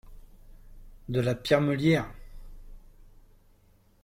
De la pierre meulière !